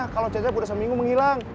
kalau cacat udah seminggu menghilang